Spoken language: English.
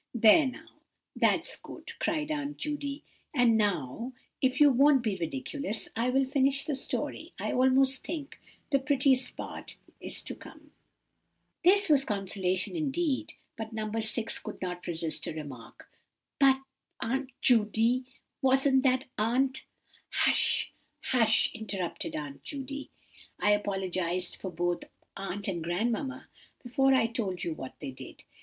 "There now, that's good!" cried Aunt Judy; "and now, if you won't be ridiculous, I will finish the story. I almost think the prettiest part is to come." This was consolation indeed; but No. 6 could not resist a remark. "But, Aunt Judy, wasn't that aunt—" "Hush, hush," interrupted Aunt Judy, "I apologized for both aunt and grandmamma before I told you what they did.